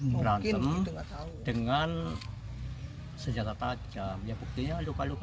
berantem dengan senjata tajam